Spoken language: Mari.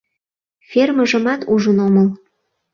— Фермыжымат ужын омыл.